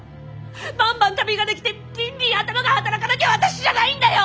バンバン旅ができてビンビン頭が働かなきゃ私じゃないんだよ！